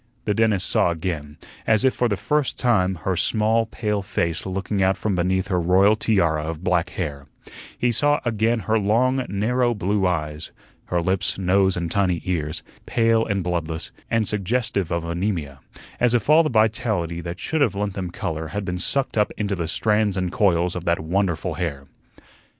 The dentist saw again, as if for the first time, her small, pale face looking out from beneath her royal tiara of black hair; he saw again her long, narrow blue eyes; her lips, nose, and tiny ears, pale and bloodless, and suggestive of anaemia, as if all the vitality that should have lent them color had been sucked up into the strands and coils of that wonderful hair.